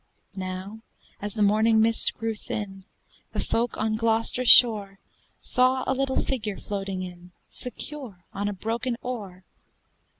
Now, as the morning mist grew thin, The folk on Gloucester shore Saw a little figure floating in Secure, on a broken oar!